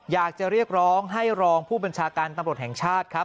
อยากจะเรียกร้องให้รองผู้บัญชาการตำรวจแห่งชาติครับ